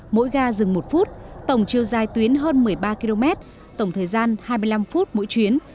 mỗi ga dừng một phút tổng chiều dài tuyến hơn một mươi ba km tổng thời gian hai mươi năm phút mỗi chuyến